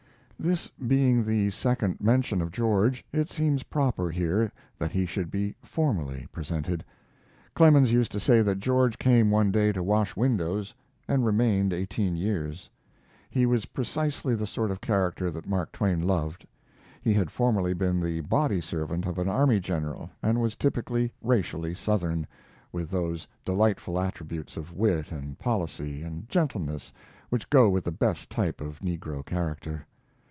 This being the second mention of George, it seems proper here that he should be formally presented. Clemens used to say that George came one day to wash windows and remained eighteen years. He was precisely the sort of character that Mark Twain loved. He had formerly been the body servant of an army general and was typically racially Southern, with those delightful attributes of wit and policy and gentleness which go with the best type of negro character.